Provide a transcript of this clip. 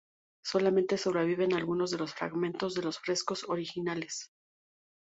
Solamente sobreviven algunos de los fragmentos de los frescos originales.